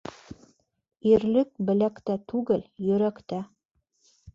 Ирлек беләктә түгел, йөрәктә.